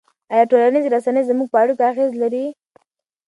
آیا ټولنیزې رسنۍ زموږ په اړیکو اغېز لري؟